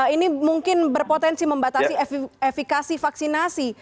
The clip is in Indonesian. ini mungkin berpotensi membatasi efekasi vaksinasi